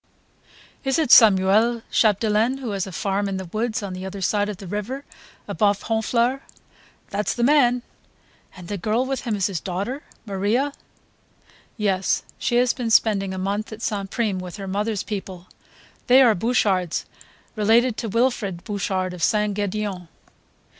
"Is it Samuel Chapdelaine who has a farm in the woods on the other side of the river, above Honfleur?" "That's the man." "And the girl with him is his daughter? Maria ..." "Yes, she has been spending a month at St. Prime with her mother's people. They are Bouchards, related to Wilfrid Bouchard of St. Gedeon